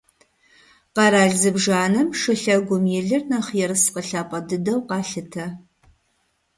Къэрал зыбжанэм шылъэгум и лыр нэхъ ерыскъы лъапӏэ дыдэу къалъытэ.